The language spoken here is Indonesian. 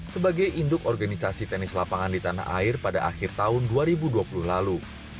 sebagai induk organisasi tenis lapangan di tanah air pada akhir tahun dua ribu dua puluh lalu